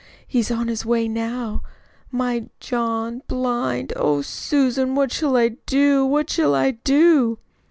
He's on his way now. My John blind! Oh, Susan, what shall I do, what shall I do?"